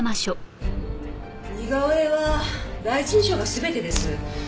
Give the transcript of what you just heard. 似顔絵は第一印象が全てです。